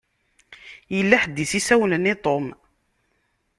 Yella ḥedd i s-isawlen i Tom.